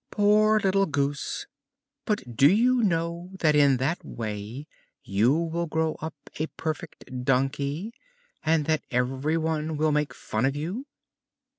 "Poor little goose! But do you not know that in that way you will grow up a perfect donkey, and that every one will make fun of you?"